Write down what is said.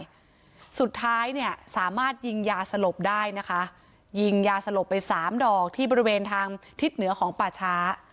สุดท้ายเนี่ยสามารถยิงยาสลบได้นะคะยิงยาสลบไปสามดอกที่บริเวณทางทิศเหนือของป่าช้า